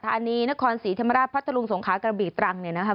ธานีนครศรีธรรมราชพัทธรุงสงขากระบีตรังเนี่ยนะคะ